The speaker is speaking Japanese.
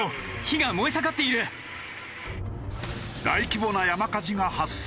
大規模な山火事が発生。